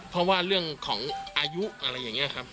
เพราะว่าเรื่องของอายุอะไรอย่างนี้ครับ